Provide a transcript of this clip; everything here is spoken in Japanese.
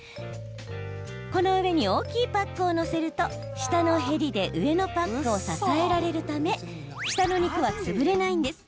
この上に大きいパックを載せると下のへりで上のパックを支えられるため下の肉は潰れないんです。